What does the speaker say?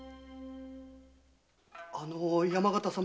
あの山形様